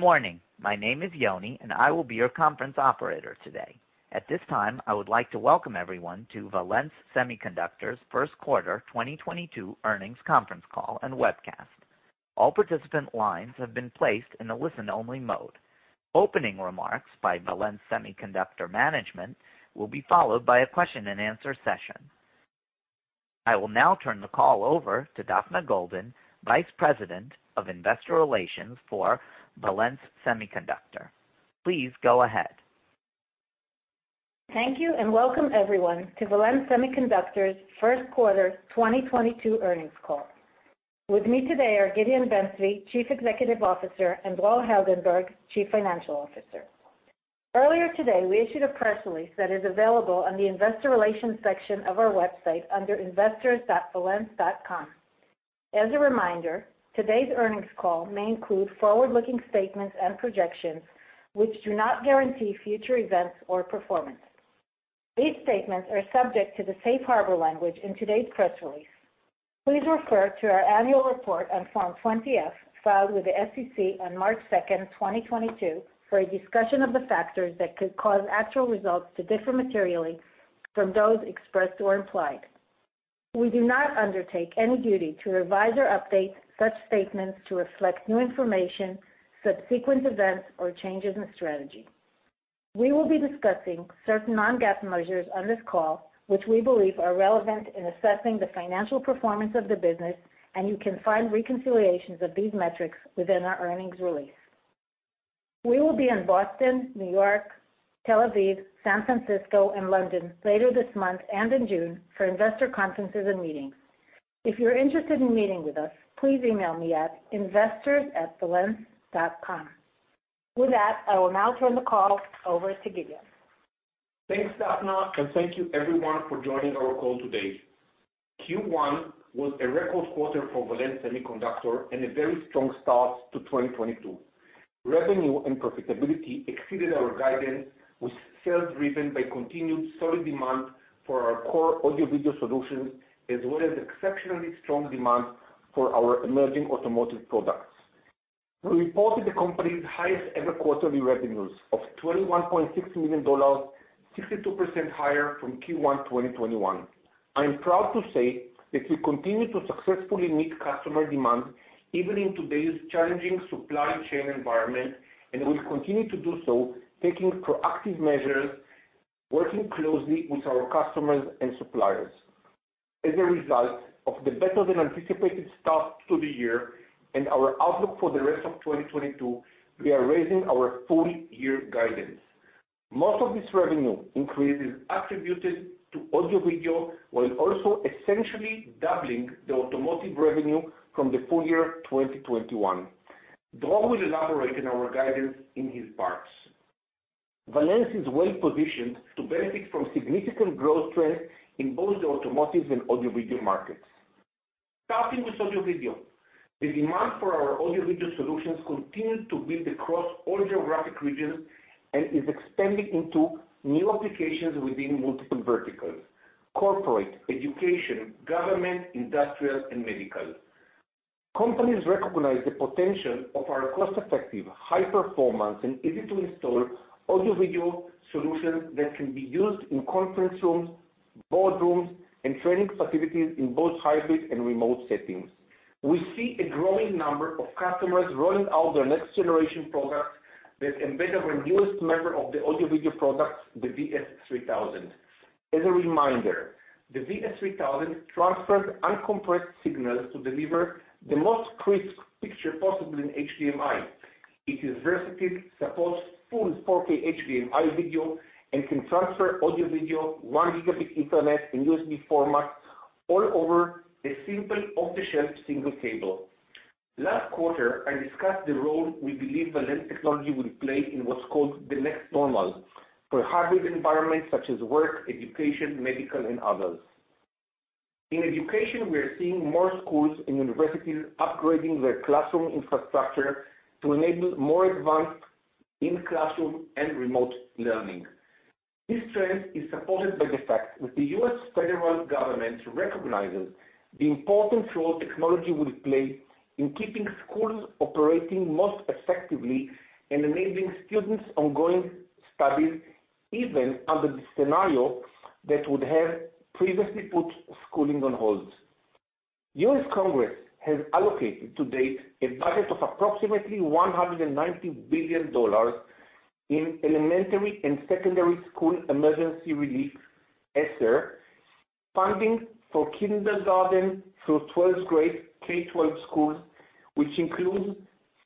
Good morning. My name is Yoni, and I will be your conference operator today. At this time, I would like to welcome everyone to Valens Semiconductor's first quarter 2022 earnings conference call and webcast. All participant lines have been placed in a listen-only mode. Opening remarks by Valens Semiconductor management will be followed by a question and answer session. I will now turn the call over to Dafna Golden, Vice President of Investor Relations for Valens Semiconductor. Please go ahead. Thank you, and welcome everyone to Valens Semiconductor's first quarter 2022 earnings call. With me today are Gideon Ben-Zvi, Chief Executive Officer, and Dror Heldenberg, Chief Financial Officer. Earlier today, we issued a press release that is available on the investor relations section of our website under investors.valens.com. As a reminder, today's earnings call may include forward-looking statements and projections which do not guarantee future events or performance. These statements are subject to the safe harbor language in today's press release. Please refer to our annual report on Form 20-F filed with the SEC on March 2, 2022 for a discussion of the factors that could cause actual results to differ materially from those expressed or implied. We do not undertake any duty to revise or update such statements to reflect new information, subsequent events, or changes in strategy. We will be discussing certain non-GAAP measures on this call, which we believe are relevant in assessing the financial performance of the business, and you can find reconciliations of these metrics within our earnings release. We will be in Boston, New York, Tel Aviv, San Francisco, and London later this month and in June for investor conferences and meetings. If you're interested in meeting with us, please email me at investors@valens.com. With that, I will now turn the call over to Gideon. Thanks, Dafna, and thank you everyone for joining our call today. Q1 was a record quarter for Valens Semiconductor and a very strong start to 2022. Revenue and profitability exceeded our guidance with sales driven by continued solid demand for our core audio/video solutions as well as exceptionally strong demand for our emerging automotive products. We reported the company's highest-ever quarterly revenues of $21.6 million, 62% higher from Q1 2021. I am proud to say that we continue to successfully meet customer demand even in today's challenging supply chain environment, and we'll continue to do so, taking proactive measures, working closely with our customers and suppliers. As a result of the better-than-anticipated start to the year and our outlook for the rest of 2022, we are raising our full year guidance. Most of this revenue increase is attributed to audio/video, while also essentially doubling the automotive revenue from the full year 2021. Dror will elaborate on our guidance in his parts. Valens is well positioned to benefit from significant growth trends in both the automotive and audio/video markets. Starting with audio/video. The demand for our audio/video solutions continued to build across all geographic regions and is expanding into new applications within multiple verticals, corporate, education, government, industrial, and medical. Companies recognize the potential of our cost-effective, high-performance, and easy-to-install audio/video solutions that can be used in conference rooms, boardrooms, and training facilities in both hybrid and remote settings. We see a growing number of customers rolling out their next generation products that embed our newest member of the audio/video products, the VS3000. As a reminder, the VS3000 transfers uncompressed signals to deliver the most crisp picture possible in HDMI. It is versatile, supports full 4K HDMI video and can transfer audio/video, 1 gigabit Internet, and USB format all over a simple off-the-shelf single cable. Last quarter, I discussed the role we believe Valens technology will play in what's called the next normal for hybrid environments such as work, education, medical, and others. In education, we are seeing more schools and universities upgrading their classroom infrastructure to enable more advanced in-classroom and remote learning. This trend is supported by the fact that the US federal government recognizes the important role technology will play in keeping schools operating most effectively and enabling students' ongoing studies, even under the scenario that would have previously put schooling on hold. US Congress has allocated to date a budget of approximately $190 billion in Elementary and Secondary School Emergency Relief, ESSER, funding for kindergarten through twelfth grade, K-12 schools, which includes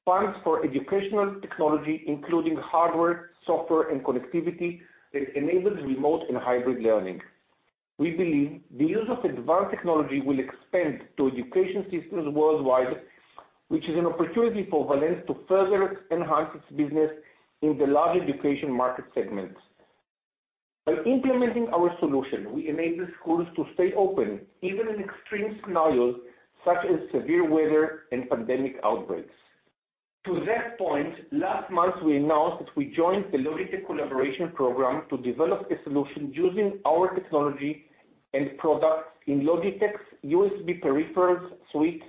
funds for educational technology, including hardware, software, and connectivity that enables remote and hybrid learning. We believe the use of advanced technology will expand to education systems worldwide, which is an opportunity for Valens to further enhance its business in the large education market segment. By implementing our solution, we enable schools to stay open even in extreme scenarios such as severe weather and pandemic outbreaks. To that point, last month we announced that we joined the Logitech Collaboration Program to develop a solution using our technology and products in Logitech's USB peripherals suite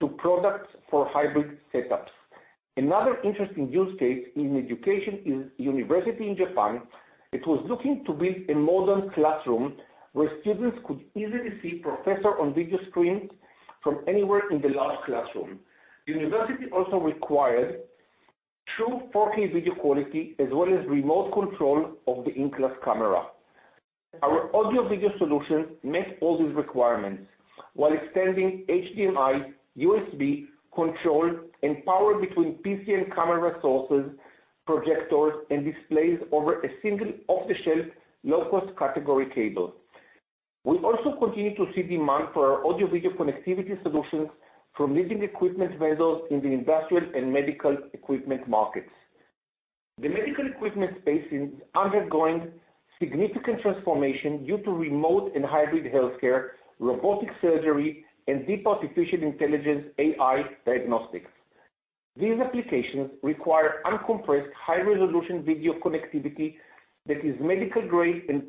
of products for hybrid setups. Another interesting use case in education is university in Japan. It was looking to build a modern classroom where students could easily see professor on video screen from anywhere in the large classroom. University also required true 4K video quality as well as remote control of the in-class camera. Our audio video solution met all these requirements, while extending HDMI, USB control and power between PC and camera sources, projectors, and displays over a single off-the-shelf, low-cost category cable. We also continue to see demand for our audio video connectivity solutions from leading equipment vendors in the industrial and medical equipment markets. The medical equipment space is undergoing significant transformation due to remote and hybrid health care, robotic surgery, and deep artificial intelligence, AI diagnostics. These applications require uncompressed high-resolution video connectivity that is medical grade and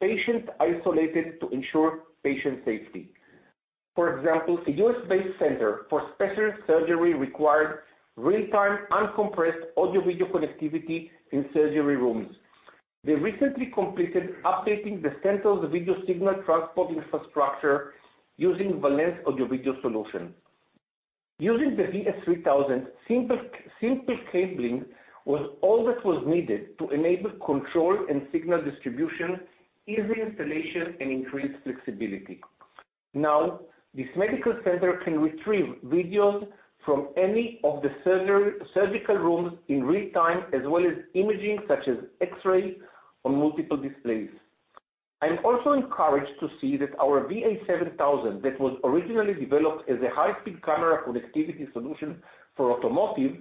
patient isolated to ensure patient safety. For example, a U.S.-based center for special surgery required real-time, uncompressed audio video connectivity in surgery rooms. They recently completed updating the center's video signal transport infrastructure using Valens audio video solution. Using the VS3000, simple cabling was all that was needed to enable control and signal distribution, easy installation, and increased flexibility. Now, this medical center can retrieve videos from any of the surgical rooms in real time, as well as imaging such as X-ray on multiple displays. I am also encouraged to see that our VA7000 that was originally developed as a high-speed camera connectivity solution for automotive,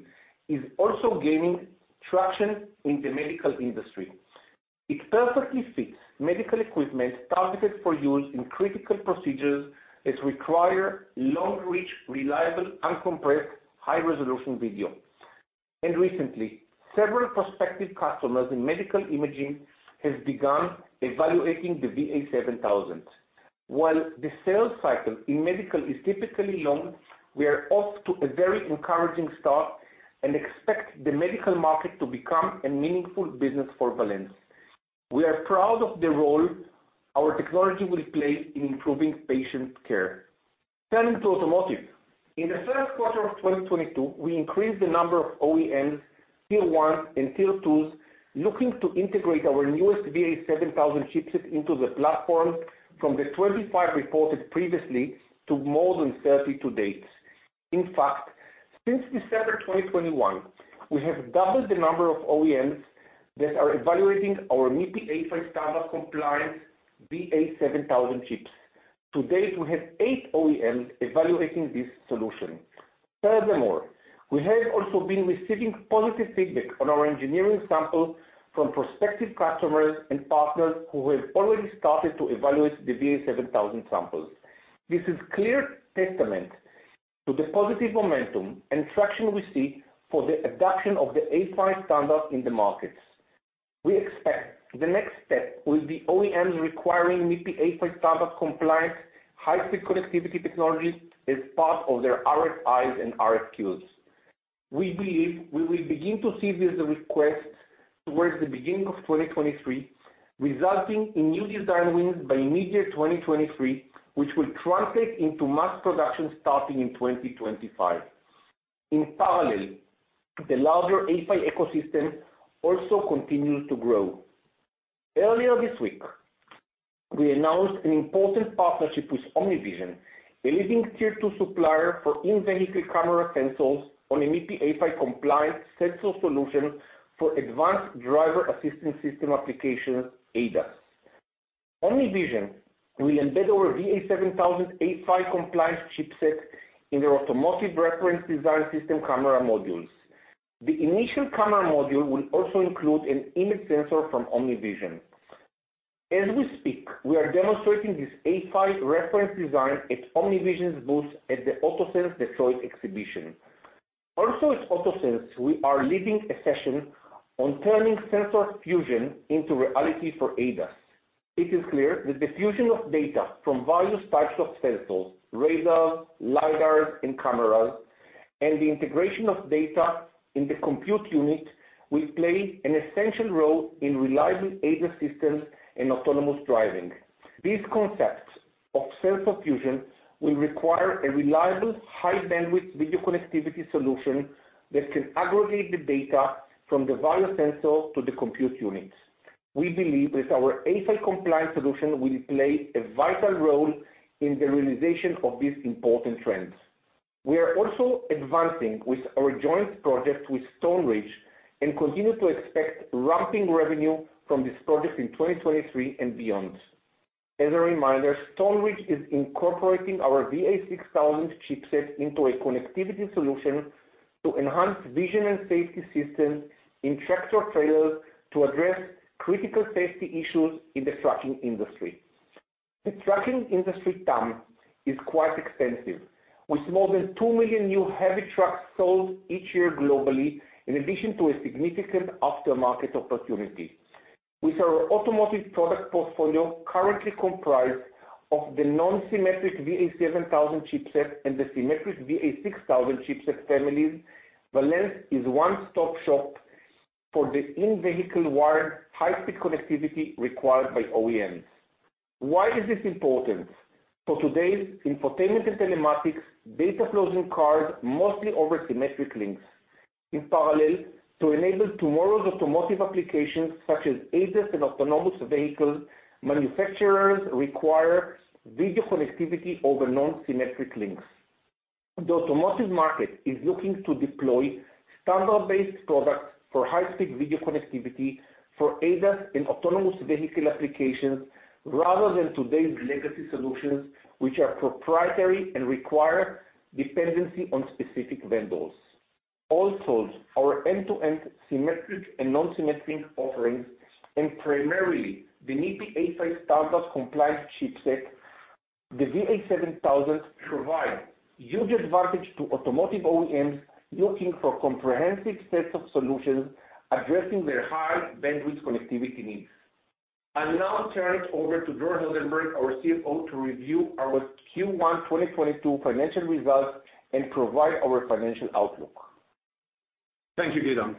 is also gaining traction in the medical industry. It perfectly fits medical equipment targeted for use in critical procedures that require long reach, reliable, uncompressed, high-resolution video. Recently, several prospective customers in medical imaging has begun evaluating the VA7000. While the sales cycle in medical is typically long, we are off to a very encouraging start and expect the medical market to become a meaningful business for Valens. We are proud of the role our technology will play in improving patient care. Turning to automotive. In the first quarter of 2022, we increased the number of OEMs, tier ones, and tier twos looking to integrate our newest VA7000 chipset into the platform from the 25 reported previously to more than 30 to date. In fact, since December 2021, we have doubled the number of OEMs that are evaluating our MIPI A-PHY standard compliance VA7000 chips. To date, we have eight OEMs evaluating this solution. Furthermore, we have also been receiving positive feedback on our engineering sample from prospective customers and partners who have already started to evaluate the VA7000 samples. This is clear testament to the positive momentum and traction we see for the adoption of the A-PHY standard in the markets. We expect the next step will be OEMs requiring MIPI A-PHY standard compliance, high-speed connectivity technology as part of their RFIs and RFQs. We believe we will begin to see these requests towards the beginning of 2023, resulting in new design wins by mid-year 2023, which will translate into mass production starting in 2025. In parallel, the larger A-PHY ecosystem also continues to grow. Earlier this week, we announced an important partnership with OmniVision, a leading tier two supplier for in-vehicle camera sensors on a MIPI A-PHY compliant sensor solution for advanced driver assistance system applications, ADAS. OmniVision will embed our VA7000 A-PHY compliance chipset in their automotive reference design system camera modules. The initial camera module will also include an image sensor from OmniVision. As we speak, we are demonstrating this A-PHY reference design at OmniVision's booth at the AutoSens Detroit exhibition. Also at AutoSens, we are leading a session on turning sensor fusion into reality for ADAS. It is clear that the fusion of data from various types of sensors, radars, lidars, and cameras, and the integration of data in the compute unit will play an essential role in reliable ADAS systems and autonomous driving. These concepts of sensor fusion will require a reliable, high-bandwidth video connectivity solution that can aggregate the data from the various sensors to the compute units. We believe that our A-PHY compliance solution will play a vital role in the realization of these important trends. We are also advancing with our joint project with Stoneridge and continue to expect ramping revenue from this project in 2023 and beyond. As a reminder, Stoneridge is incorporating our VA6000 chipset into a connectivity solution to enhance vision and safety systems in tractor-trailers to address critical safety issues in the trucking industry. The trucking industry term is quite expensive. With more than 2 million new heavy trucks sold each year globally, in addition to a significant aftermarket opportunity. With our automotive product portfolio currently comprised of the non-symmetric VA7000 chipset and the symmetric VA6000 chipset families, Valens is one-stop shop for the in-vehicle wired high-speed connectivity required by OEMs. Why is this important? For today's infotainment and telematics, data flows in cars mostly over symmetric links. In parallel, to enable tomorrow's automotive applications such as ADAS and autonomous vehicles, manufacturers require video connectivity over non-symmetric links. The automotive market is looking to deploy standard-based products for high-speed video connectivity for ADAS and autonomous vehicle applications rather than today's legacy solutions, which are proprietary and require dependency on specific vendors. Also, our end-to-end symmetric and non-symmetric offerings, and primarily the MIPI A-PHY standard compliance chipset, the VA7000 provide huge advantage to automotive OEMs looking for comprehensive sets of solutions addressing their high bandwidth connectivity needs. I now turn it over to Dror Heldenberg, our CFO, to review our Q1 2022 financial results and provide our financial outlook. Thank you, Gideon.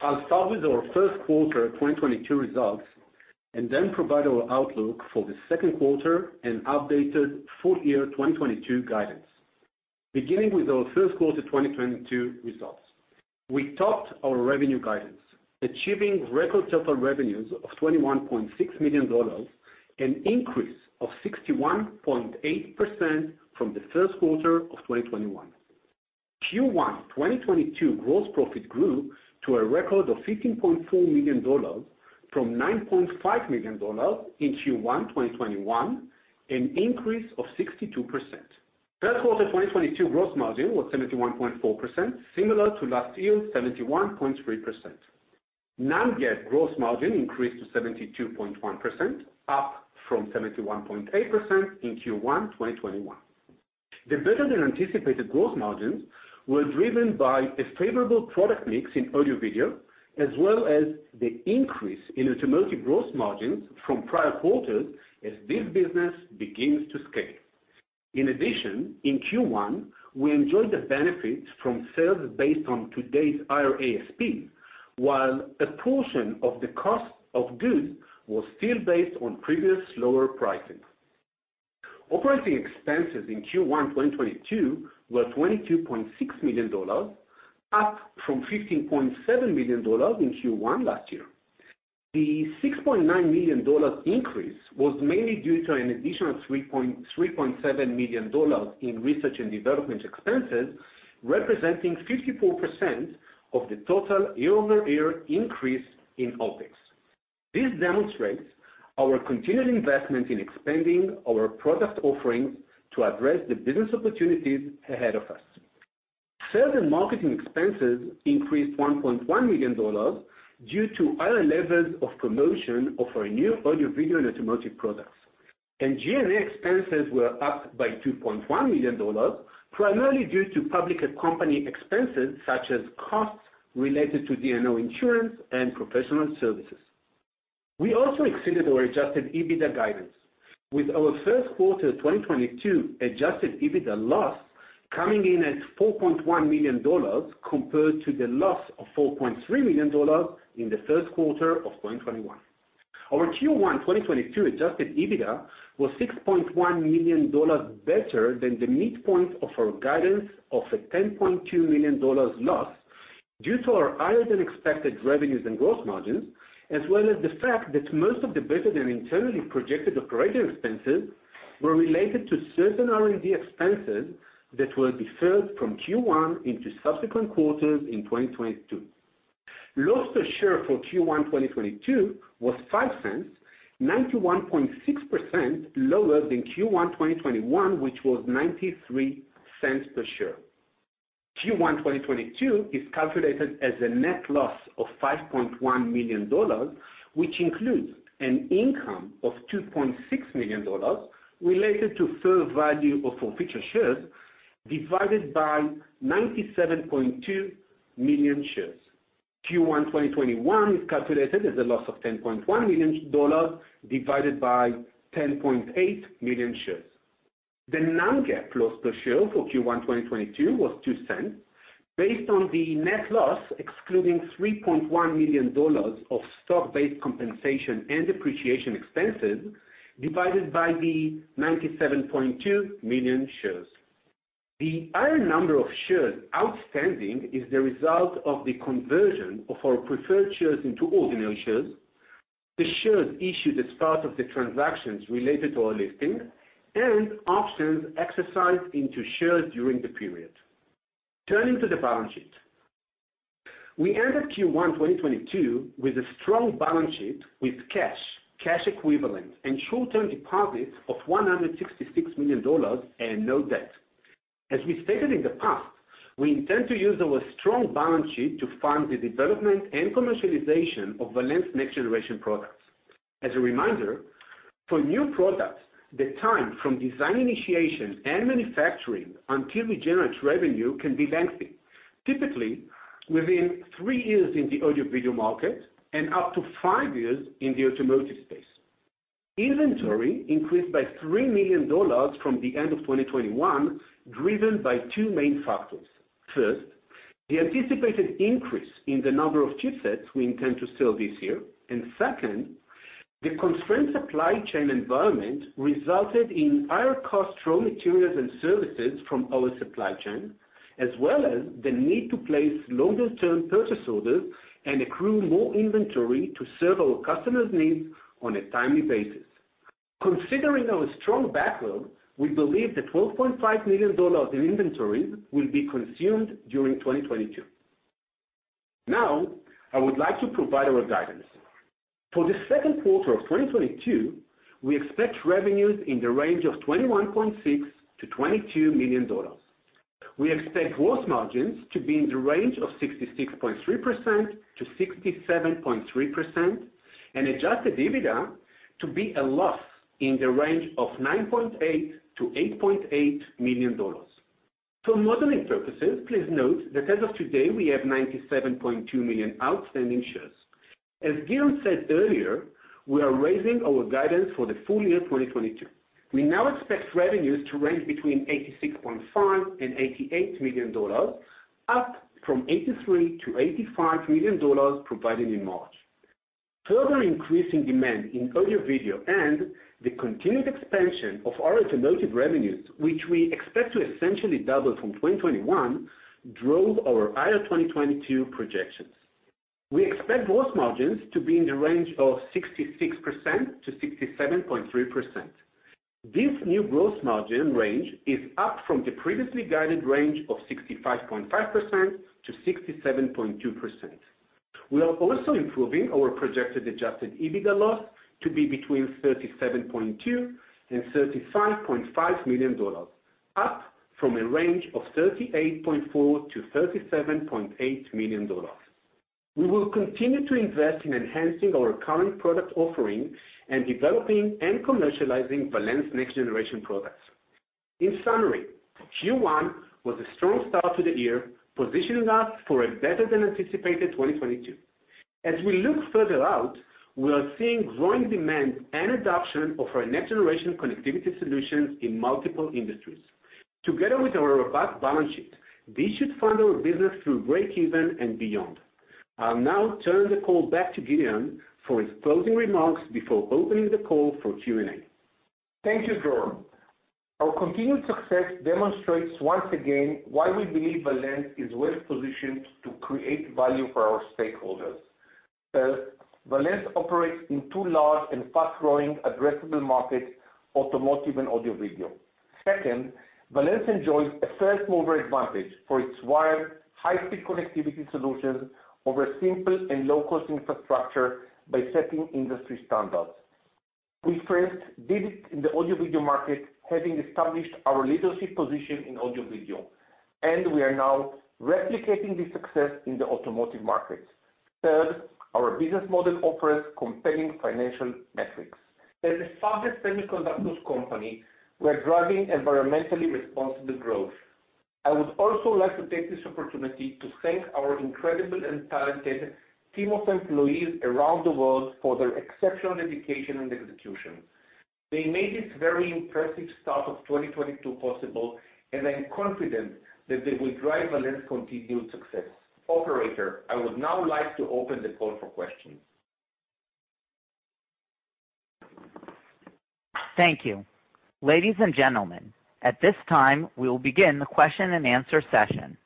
I'll start with our first quarter 2022 results and then provide our outlook for the second quarter and updated full year 2022 guidance. Beginning with our first quarter 2022 results. We topped our revenue guidance, achieving record total revenues of $21.6 million, an increase of 61.8% from the first quarter of 2021. Q1 2022 gross profit grew to a record of $15.4 million from $9.5 million in Q1 2021, an increase of 62%. First quarter 2022 gross margin was 71.4%, similar to last year, 71.3%. non-GAAP gross margin increased to 72.1%, up from 71.8% in Q1 2021. The better than anticipated gross margins were driven by a favorable product mix in audio video, as well as the increase in automotive gross margins from prior quarters as this business begins to scale. In addition, in Q1, we enjoyed the benefits from sales based on today's higher ASP, while a portion of the cost of goods was still based on previous slower pricing. Operating expenses in Q1 2022 were $22.6 million, up from $15.7 million in Q1 last year. The $6.9 million increase was mainly due to an additional $3.7 million in research and development expenses, representing 54% of the total year-over-year increase in OpEx. This demonstrates our continued investment in expanding our product offerings to address the business opportunities ahead of us. Sales and marketing expenses increased $1.1 million due to higher levels of promotion of our new audio video and automotive products. G&A expenses were up by $2.1 million, primarily due to public company expenses such as costs related to D&O insurance and professional services. We also exceeded our adjusted EBITDA guidance, with our first quarter 2022 adjusted EBITDA loss coming in at $4.1 million compared to the loss of $4.3 million in the first quarter of 2021. Our Q1 2022 adjusted EBITDA was $6.1 million better than the midpoint of our guidance of a $10.2 million loss due to our higher than expected revenues and gross margins, as well as the fact that most of the better than internally projected operating expenses were related to certain R&D expenses that were deferred from Q1 into subsequent quarters in 2022. Loss per share for Q1 2022 was $0.05, 91.6% lower than Q1 2021, which was $0.93 per share. Q1 2022 is calculated as a net loss of $5.1 million, which includes an income of $2.6 million related to fair value of our future shares divided by 97.2 million shares. Q1 2021 is calculated as a loss of $10.1 million divided by 10.8 million shares. The non-GAAP loss per share for Q1 2022 was $0.02 based on the net loss excluding $3.1 million of stock-based compensation and depreciation expenses divided by the 97.2 million shares. The higher number of shares outstanding is the result of the conversion of our preferred shares into ordinary shares. The shares issued as part of the transactions related to our listing and options exercised into shares during the period. Turning to the balance sheet. We ended Q1 2022 with a strong balance sheet with cash equivalents, and short-term deposits of $166 million and no debt. We stated in the past, we intend to use our strong balance sheet to fund the development and commercialization of Valens' next generation products. As a reminder, for new products, the time from design initiation and manufacturing until we generate revenue can be lengthy. Typically, within three years in the audio/video market and up to five years in the automotive space. Inventory increased by $3 million from the end of 2021, driven by two main factors. First, the anticipated increase in the number of chipsets we intend to sell this year. Second, the constrained supply chain environment resulted in higher cost raw materials and services from our supply chain, as well as the need to place longer term purchase orders and accrue more inventory to serve our customers' needs on a timely basis. Considering our strong backlog, we believe the $12.5 million in inventory will be consumed during 2022. Now, I would like to provide our guidance. For the second quarter of 2022, we expect revenues in the range of $21.6-$22 million. We expect gross margins to be in the range of 66.3%-67.3% and adjusted EBITDA to be a loss in the range of $9.8-$8.8 million. For modeling purposes, please note that as of today, we have 97.2 million outstanding shares. As Gideon said earlier, we are raising our guidance for the full year 2022. We now expect revenues to range between $86.5 million and $88 million, up from $83 million-$85 million provided in March. Further increase in demand in audio/video and the continued expansion of our automotive revenues, which we expect to essentially double from 2021, drove our higher 2022 projections. We expect gross margins to be in the range of 66%-67.3%. This new gross margin range is up from the previously guided range of 65.5%-67.2%. We are also improving our projected adjusted EBITDA loss to be between $37.2 million and $35.5 million, up from a range of $38.4 million-$37.8 million. We will continue to invest in enhancing our current product offering and developing and commercializing Valens' next generation products. In summary, Q1 was a strong start to the year, positioning us for a better than anticipated 2022. As we look further out, we are seeing growing demand and adoption of our next generation connectivity solutions in multiple industries. Together with our robust balance sheet, this should fund our business through breakeven and beyond. I'll now turn the call back to Gideon for his closing remarks before opening the call for Q&A. Thank you, Dror. Our continued success demonstrates once again why we believe Valens is well positioned to create value for our stakeholders. First, Valens operates in two large and fast-growing addressable markets, automotive and audio/video. Second, Valens enjoys a first mover advantage for its wired high-speed connectivity solutions over simple and low-cost infrastructure by setting industry standards. We first did it in the audio/video market, having established our leadership position in audio/video, and we are now replicating this success in the automotive market. Third, our business model offers compelling financial metrics. As a fabless semiconductors company, we are driving environmentally responsible growth. I would also like to take this opportunity to thank our incredible and talented team of employees around the world for their exceptional dedication and execution. They made this very impressive start of 2022 possible, and I am confident that they will drive Valens' continued success. Operator, I would now like to open the call for questions. Thank you. Ladies and gentlemen, at this time, we will begin the question and answer session.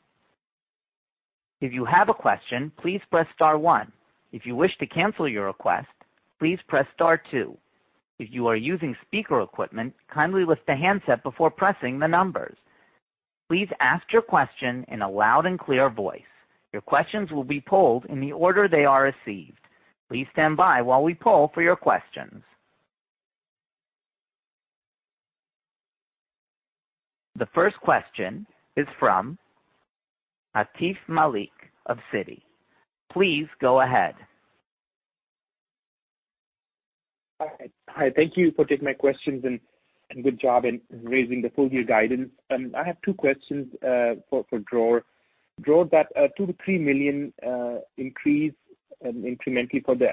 If you have a question, please press star one. If you wish to cancel your request, please press star two. If you are using speaker equipment, kindly lift the handset before pressing the numbers. Please ask your question in a loud and clear voice. Your questions will be polled in the order they are received. Please stand by while we poll for your questions. The first question is from Atif Malik of Citi. Please go ahead. Hi. Thank you for taking my questions and good job in raising the full year guidance. I have two questions for Dror. Dror, that $2-3 million increase incrementally for the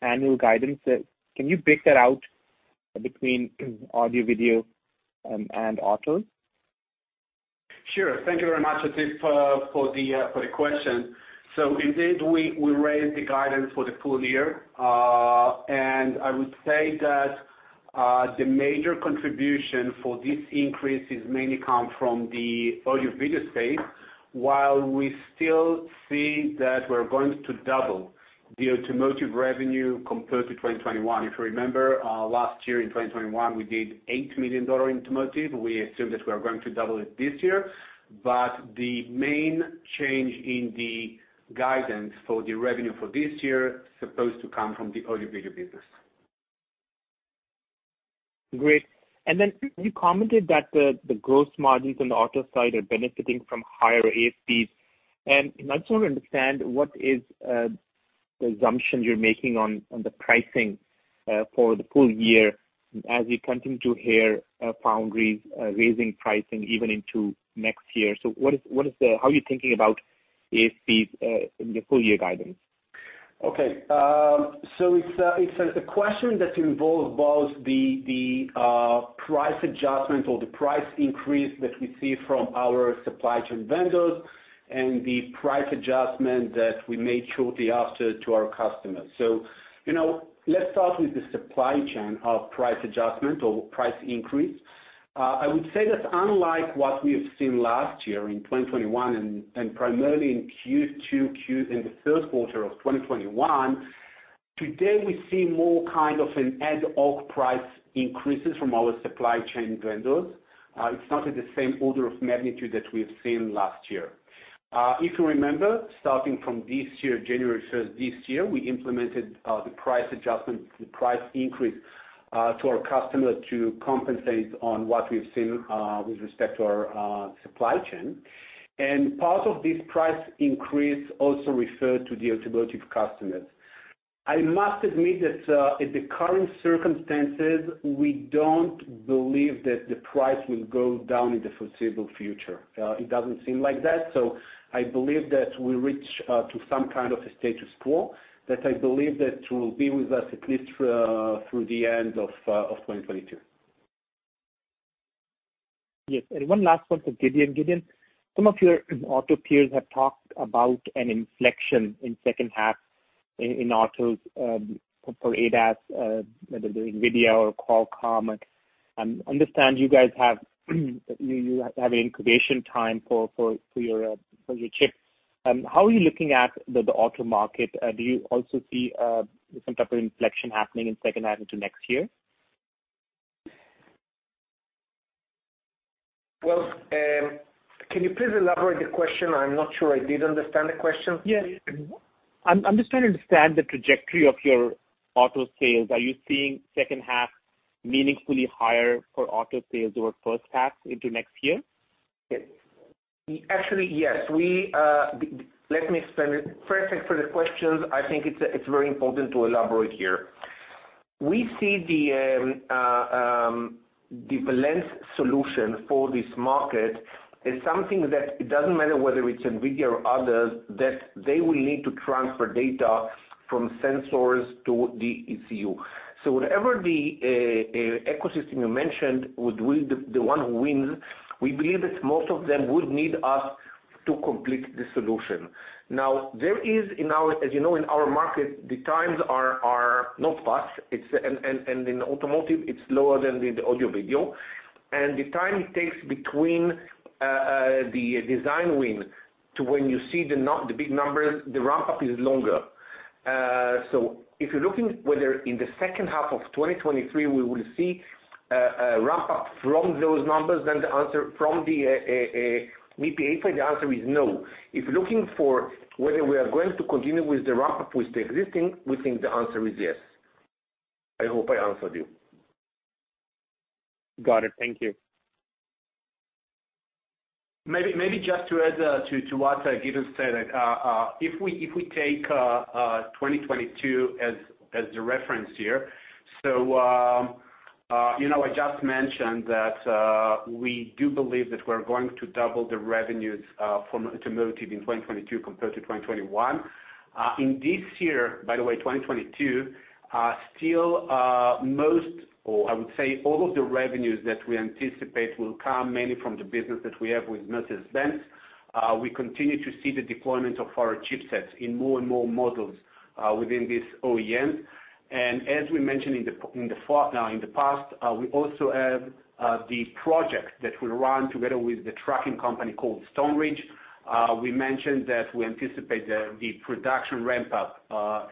annual guidance, can you break that out between audio/video and auto? Sure. Thank you very much, Atif, for the question. Indeed, we raised the guidance for the full year. I would say that the major contribution for this increase is mainly come from the audio/video space. While we still see that we're going to double the automotive revenue compared to 2021. If you remember, last year in 2021, we did $8 million automotive. We assume that we are going to double it this year. The main change in the guidance for the revenue for this year supposed to come from the audio/video business. Great. Then you commented that the gross margins on the auto side are benefiting from higher ASPs. I just want to understand what is the assumption you're making on the pricing for the full year as we continue to hear foundries raising pricing even into next year. How are you thinking about ASPs in the full year guidance? It's a question that involves both the price adjustment or the price increase that we see from our supply chain vendors and the price adjustment that we made shortly after to our customers. You know, let's start with the supply chain of price adjustment or price increase. I would say that unlike what we have seen last year in 2021 and primarily in the first quarter of 2021, today we see more kind of an ad hoc price increases from our supply chain vendors. It's not at the same order of magnitude that we have seen last year. If you remember, starting from this year, January first this year, we implemented the price adjustment, the price increase to our customer to compensate on what we've seen with respect to our supply chain. Part of this price increase also referred to the automotive customers. I must admit that in the current circumstances, we don't believe that the price will go down in the foreseeable future. It doesn't seem like that. I believe that we reach to some kind of a status quo that I believe that will be with us at least through the end of 2022. Yes. One last one for Gideon. Gideon, some of your auto peers have talked about an inflection in second half in autos for ADAS, whether they're NVIDIA or Qualcomm. Understand you guys have an incubation time for your chips. How are you looking at the auto market? Do you also see some type of inflection happening in second half into next year? Well, can you please elaborate the question? I'm not sure I did understand the question. Yeah. I'm just trying to understand the trajectory of your auto sales. Are you seeing second half meaningfully higher for auto sales over first half into next year? Actually, yes. Let me explain it. First, thanks for the questions. I think it's very important to elaborate here. We see the balanced solution for this market is something that it doesn't matter whether it's NVIDIA or others, that they will need to transfer data from sensors to the ECU. Whatever the ecosystem you mentioned would win, the one who wins, we believe that most of them would need us to complete the solution. Now, there is in our market, as you know, the times are not fast. It's, and in automotive it's lower than the audio/video. The time it takes between the design win to when you see the big numbers, the ramp up is longer. If you're looking whether in the second half of 2023, we will see a ramp up from those numbers, then the answer from the MIPI A-PHY is no. If you're looking for whether we are going to continue with the ramp up with the existing, we think the answer is yes. I hope I answered you. Got it. Thank you. Maybe just to add to what Gideon said, if we take 2022 as the reference year. You know, I just mentioned that we do believe that we're going to double the revenues from automotive in 2022 compared to 2021. In this year, by the way, 2022, still, most or I would say all of the revenues that we anticipate will come mainly from the business that we have with Mercedes-Benz. We continue to see the deployment of our chipsets in more and more models within this OEM. As we mentioned in the past, we also have the project that we run together with the trucking company called Stoneridge. We mentioned that we anticipate the production ramp up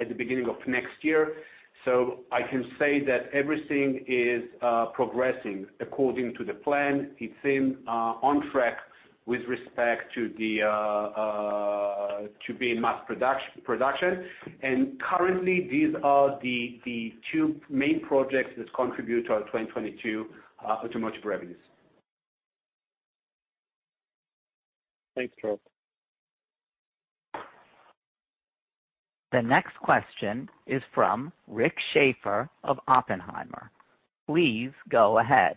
at the beginning of next year. I can say that everything is progressing according to the plan. It's on track to be in mass production. Currently, these are the two main projects that contribute to our 2022 automotive revenues. Thanks, Dror. The next question is from Rick Schafer of Oppenheimer. Please go ahead.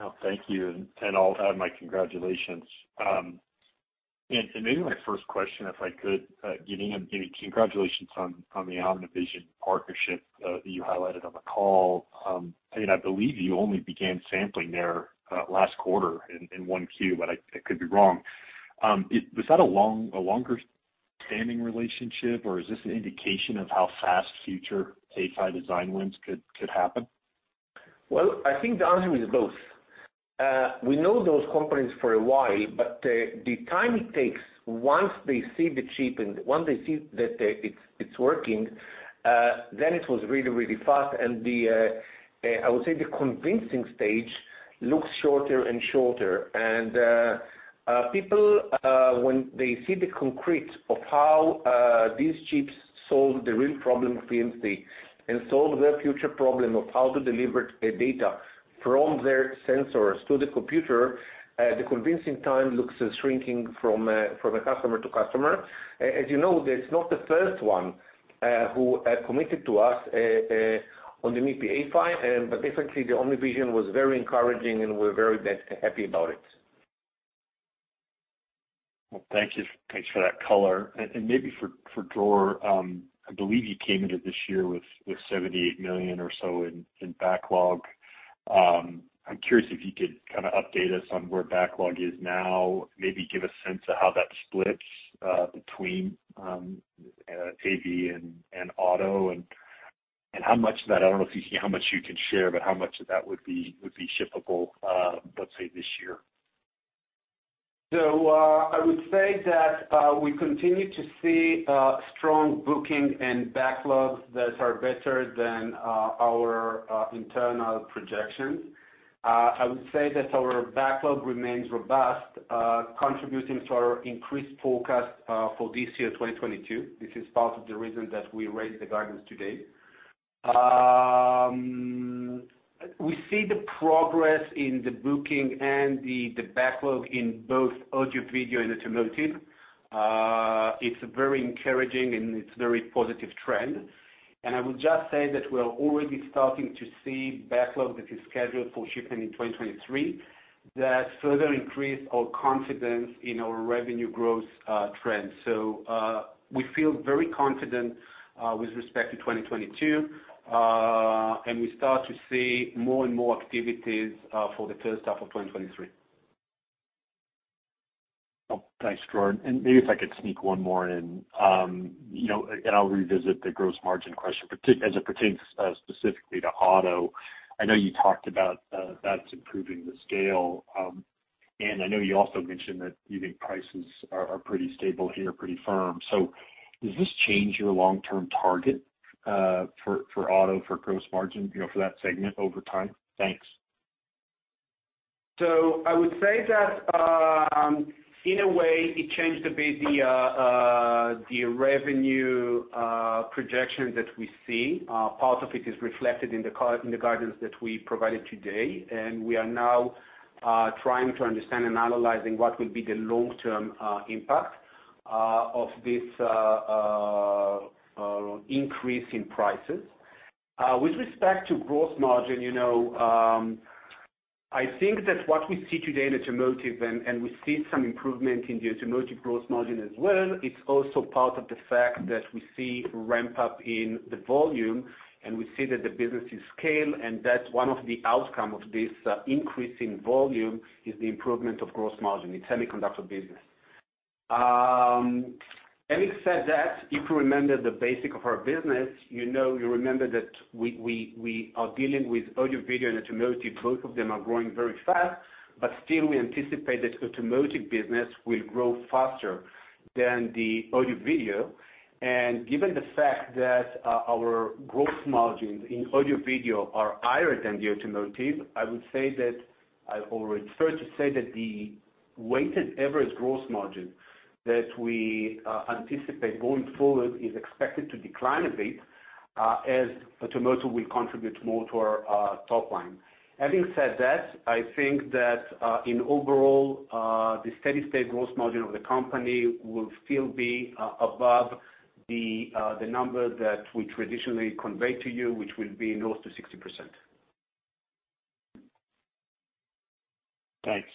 Oh, thank you, and I'll add my congratulations. Maybe my first question, if I could, Gideon, congratulations on the OmniVision partnership that you highlighted on the call. I believe you only began sampling there last quarter in Q1, but I could be wrong. Was that a longer standing relationship or is this an indication of how fast future A-PHY design wins could happen? Well, I think the answer is both. We know those companies for a while, but the time it takes once they see the chip and once they see that it's working, then it was really, really fast. I would say the convincing stage looks shorter and shorter. People, when they see the concrete of how these chips solve the real problem for EMC and solve their future problem of how to deliver data from their sensors to the computer, the convincing time looks shrinking from a customer to customer. As you know, that's not the first one who committed to us on the MIPI A-PHY, but definitely OmniVision was very encouraging, and we're very happy about it. Well, thank you. Thanks for that color. Maybe for Dror, I believe you came into this year with $78 million or so in backlog. I'm curious if you could kind of update us on where backlog is now, maybe give a sense of how that splits between AV and auto, and how much of that, I don't know if you see how much you can share, but how much of that would be shippable, let's say this year? I would say that we continue to see strong bookings and backlogs that are better than our internal projections. I would say that our backlog remains robust, contributing to our increased forecast for this year, 2022. This is part of the reason that we raised the guidance today. We see the progress in the bookings and the backlog in both audio video and automotive. It's very encouraging, and it's very positive trend. I would just say that we are already starting to see backlog that is scheduled for shipping in 2023 that further increase our confidence in our revenue growth trends. We feel very confident with respect to 2022, and we start to see more and more activities for the first half of 2023. Oh, thanks, Dror. Maybe if I could sneak one more in. You know, I'll revisit the gross margin question, as it pertains, specifically to auto. I know you talked about that's improving the scale. I know you also mentioned that you think prices are pretty stable here, pretty firm. Does this change your long-term target for auto, for gross margin, you know, for that segment over time? Thanks. I would say that, in a way, it changed a bit the revenue projection that we see. Part of it is reflected in the guidance that we provided today, and we are now trying to understand and analyzing what will be the long-term impact of this increase in prices. With respect to gross margin, you know, I think that what we see today in automotive, and we see some improvement in the automotive gross margin as well, it's also part of the fact that we see ramp up in the volume, and we see that the business is scale. That's one of the outcome of this increase in volume, is the improvement of gross margin in semiconductor business. Having said that, if you remember the basics of our business, you know, you remember that we are dealing with audio video and automotive. Both of them are growing very fast, but still we anticipate that automotive business will grow faster than the audio video. Given the fact that our gross margins in audio video are higher than the automotive, I would say that the weighted average gross margin that we anticipate going forward is expected to decline a bit, as automotive will contribute more to our top line. Having said that, I think that overall, the steady state gross margin of the company will still be above the number that we traditionally convey to you, which will be north of 60%. Thanks.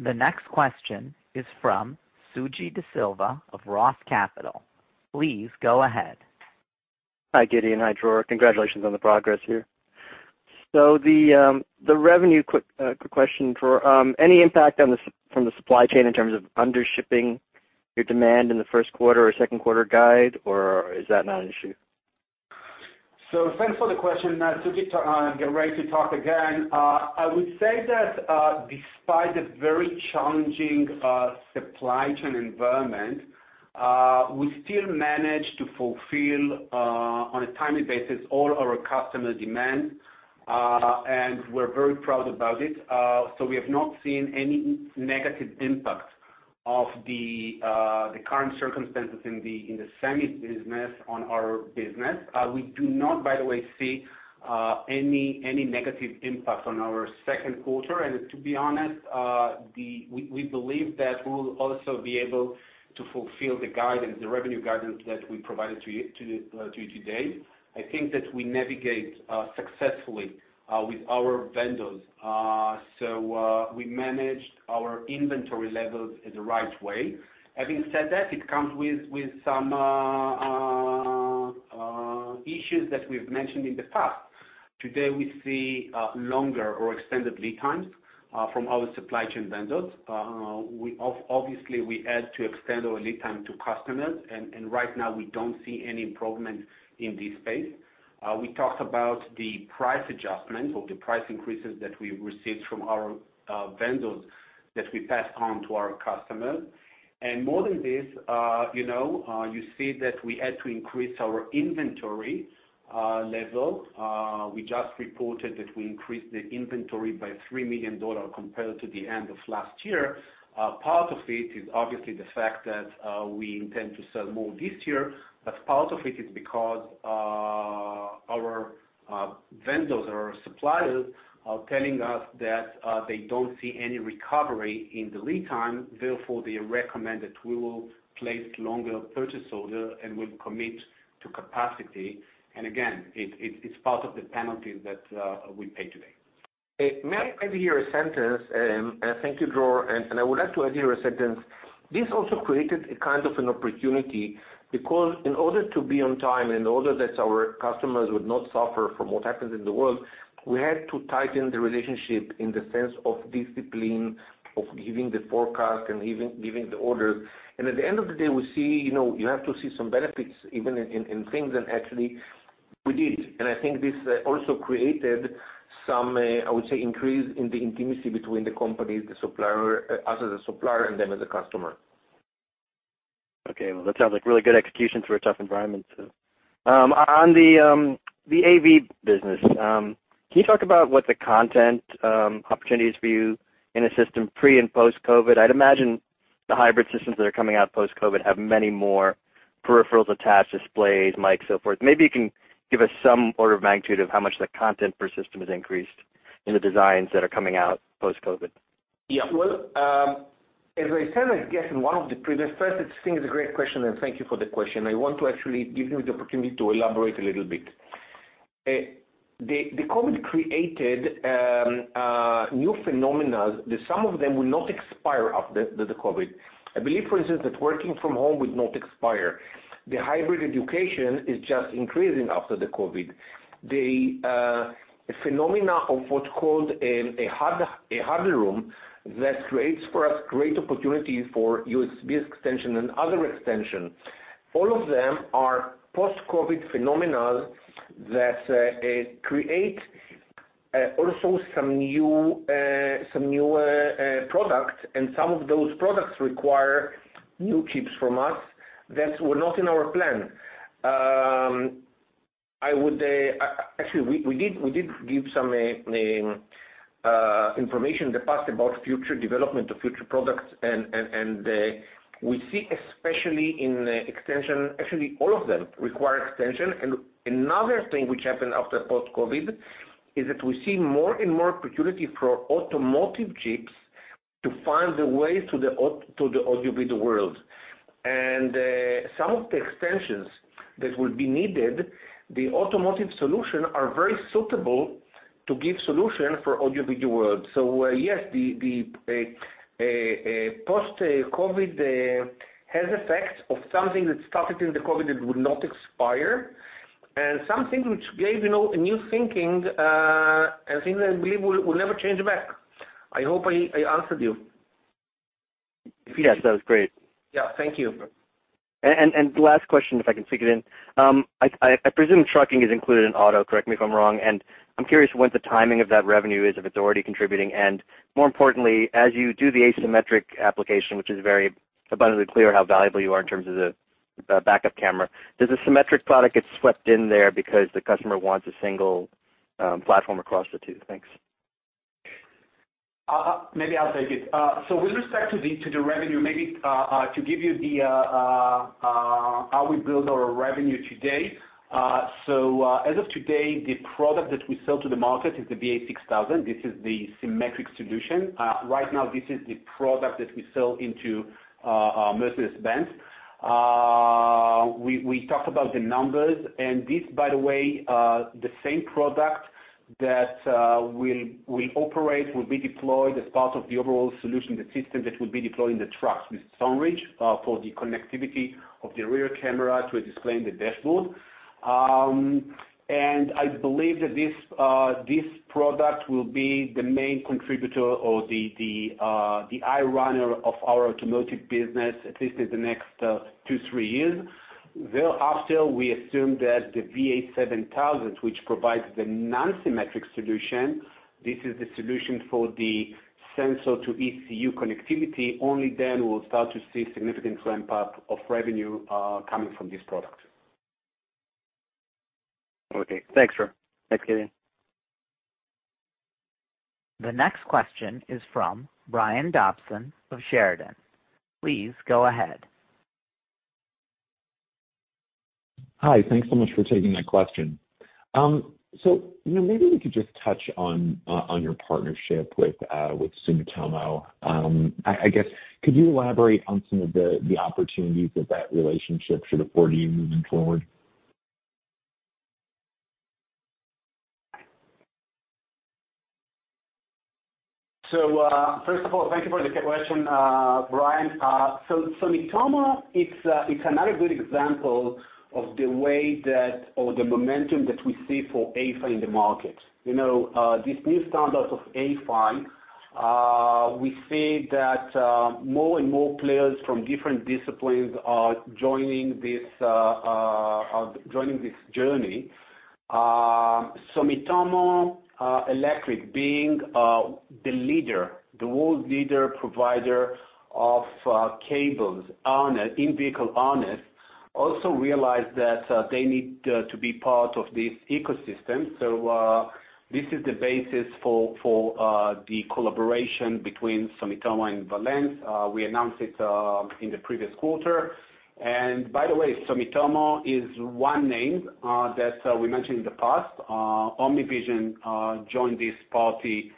The next question is from Suji Desilva of Roth Capital. Please go ahead. Hi, Gideon. Hi, Dror. Congratulations on the progress here. The revenue question for any impact from the supply chain in terms of under shipping your demand in the first quarter or second quarter guide, or is that not an issue? Thanks for the question, Suji, great to talk again. I would say that, despite the very challenging supply chain environment, we still manage to fulfill, on a timely basis, all our customer demand, and we're very proud about it. We have not seen any negative impact of the current circumstances in the semi business on our business. We do not, by the way, see any negative impact on our second quarter. To be honest, we believe that we'll also be able to fulfill the guidance, the revenue guidance that we provided to you today. I think that we navigate successfully with our vendors. We managed our inventory levels in the right way. Having said that, it comes with some issues that we've mentioned in the past. Today, we see longer or extended lead times from our supply chain vendors. We obviously had to extend our lead time to customers, and right now we don't see any improvement in this space. We talked about the price adjustments or the price increases that we received from our vendors that we pass on to our customers. More than this, you know, you see that we had to increase our inventory level. We just reported that we increased the inventory by $3 million compared to the end of last year. Part of it is obviously the fact that we intend to sell more this year, but part of it is because our vendors or suppliers are telling us that they don't see any recovery in the lead time. Therefore, they recommend that we will place longer purchase order and will commit to capacity. Again, it's part of the penalty that we pay today. May I add here a sentence? Thank you, Dror. I would like to add here a sentence. This also created a kind of an opportunity, because in order to be on time, in order that our customers would not suffer from what happens in the world, we had to tighten the relationship in the sense of discipline, of giving the forecast and giving the orders. At the end of the day, we see, you know, you have to see some benefits even in things, and actually we did. I think this also created some, I would say, increase in the intimacy between the companies, the supplier, us as a supplier and them as a customer. Well, that sounds like really good execution through a tough environment. On the AV business, can you talk about what the content opportunities for you in a system pre- and post-COVID? I'd imagine the hybrid systems that are coming out post-COVID have many more peripherals attached, displays, mics, so forth. Maybe you can give us some order of magnitude of how much the content per system has increased in the designs that are coming out post-COVID. Yeah. Well, as I said, I guess in one of the previous. First, I think it's a great question, and thank you for the question. I want to actually give you the opportunity to elaborate a little bit. The COVID created new phenomena that some of them will not expire after the COVID. I believe, for instance, that working from home would not expire. The hybrid education is just increasing after the COVID. The phenomena of what's called a huddle room that creates for us great opportunity for USB extension and other extension. All of them are post-COVID phenomena that create also some new products, and some of those products require new chips from us that were not in our plan. Actually, we did give some information in the past about future development of future products. We see, especially in extension. Actually, all of them require extension. Another thing which happened after post-COVID is that we see more and more opportunity for automotive chips to find the way to the audio video world. Some of the extensions that will be needed, the automotive solution are very suitable to give solution for audio video world. Yes, post-COVID has effects of something that started in the COVID that would not expire, and something which gave, you know, a new thinking, and things I believe will never change back. I hope I answered you. Yes, that was great. Yeah, thank you. The last question, if I can fit it in. I presume trucking is included in auto, correct me if I'm wrong. I'm curious what the timing of that revenue is, if it's already contributing. More importantly, as you do the asymmetric application, which is very abundantly clear how valuable you are in terms of the backup camera, does the symmetric product get swept in there because the customer wants a single platform across the two? Thanks. Maybe I'll take it. With respect to the revenue, maybe to give you the how we build our revenue today. As of today, the product that we sell to the market is the VA six thousand. This is the symmetric solution. Right now, this is the product that we sell into Mercedes-Benz. We talked about the numbers, and this, by the way, the same product that will operate will be deployed as part of the overall solution, the system that will be deployed in the trucks with Stoneridge for the connectivity of the rear camera to a display in the dashboard. I believe that this product will be the main contributor or the driver of our automotive business, at least in the next two to three years. Thereafter, we assume that the VA7000, which provides the asymmetric solution, this is the solution for the sensor to ECU connectivity. Only then we'll start to see significant ramp-up of revenue coming from this product. Okay. Thanks, Dror. Thanks, Gideon. The next question is from Brian Dobson of Chardan. Please go ahead. Hi. Thanks so much for taking my question. You know, maybe we could just touch on your partnership with Sumitomo. I guess could you elaborate on some of the opportunities that that relationship should afford you moving forward? First of all, thank you for the question, Brian. Sumitomo, it's another good example of the way that or the momentum that we see for A-PHY in the market. You know, this new standard of A-PHY, we see that more and more players from different disciplines are joining this journey. Sumitomo Electric being the leader, the world leader provider of cables and in-vehicle harness. Also realize that they need to be part of this ecosystem. This is the basis for the collaboration between Sumitomo and Valens. We announced it in the previous quarter. By the way, Sumitomo is one name that we mentioned in the past. OmniVision joined this party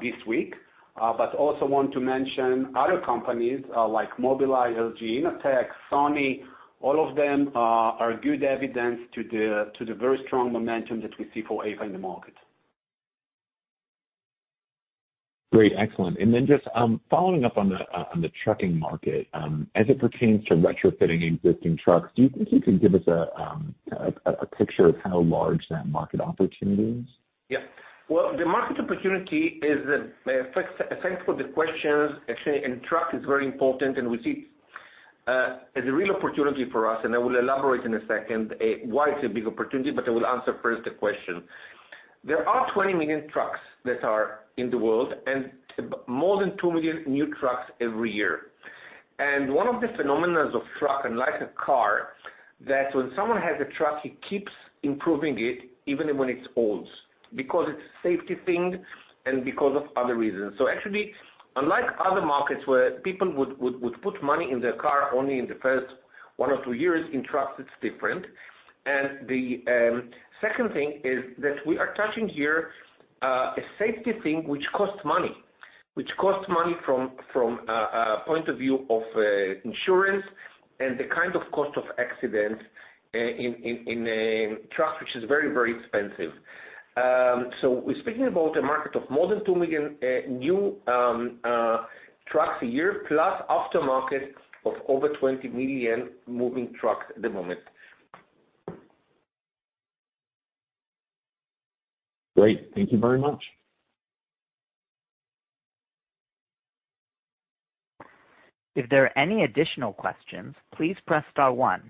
this week. Also want to mention other companies like Mobileye, Gentex, Sony, all of them are good evidence to the very strong momentum that we see for A-PHY in the market. Great. Excellent. Just following up on the trucking market, as it pertains to retrofitting existing trucks, do you think you can give us a picture of how large that market opportunity is? Yeah. Well, the market opportunity is. Thanks for the question. Actually, truck is very important, and we see as a real opportunity for us, and I will elaborate in a second why it's a big opportunity, but I will answer first the question. There are 20 million trucks that are in the world and more than 2 million new trucks every year. One of the phenomena of truck, unlike a car, that when someone has a truck, he keeps improving it even when it's old, because it's safety thing and because of other reasons. Actually, unlike other markets where people would put money in their car only in the first one or two years, in trucks it's different. The second thing is that we are touching here a safety thing which costs money from a point of view of insurance and the kind of cost of accident in a truck, which is very expensive. We're speaking about a market of more than 2 million new trucks a year, plus aftermarket of over 20 million moving trucks at the moment. Great. Thank you very much. If there are any additional questions, please press star one.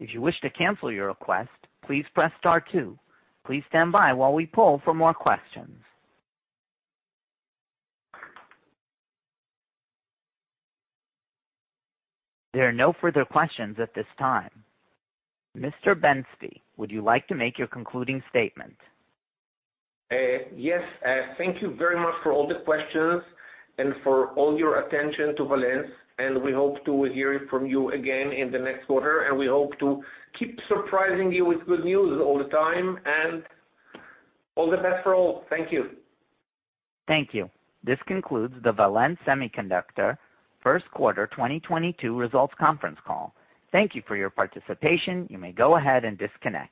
If you wish to cancel your request, please press star two. Please stand by while we poll for more questions. There are no further questions at this time. Mr. Ben-Zvi, would you like to make your concluding statement? Yes. Thank you very much for all the questions and for all your attention to Valens. We hope to hear from you again in the next quarter, and we hope to keep surprising you with good news all the time. All the best for all. Thank you. Thank you. This concludes the Valens Semiconductor first quarter 2022 results conference call. Thank you for your participation. You may go ahead and disconnect.